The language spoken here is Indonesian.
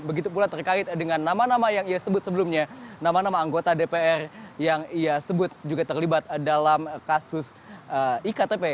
begitu pula terkait dengan nama nama yang ia sebut sebelumnya nama nama anggota dpr yang ia sebut juga terlibat dalam kasus iktp